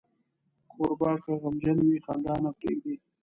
کوربه که غمجن وي، خندا نه پرېږدي.